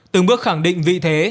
từng bước khẳng định vị thế